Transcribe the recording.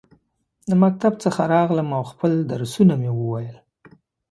د مکتب څخه راغلم ، او خپل درسونه مې وویل.